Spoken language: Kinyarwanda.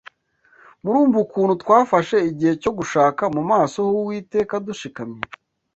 Murumva ukuntu twafashe igihe cyo gushaka mu maso h’Uwiteka dushikamye